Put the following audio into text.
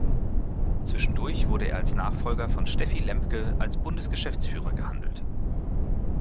Zwischendurch wurde er als Nachfolger von Steffi Lemke als Bundesgeschäftsführer gehandelt.